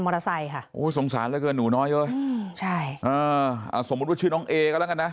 แล้วก็หนูน้อยเยอะสมมติว่าชื่อน้องเอก็แล้วกันนะ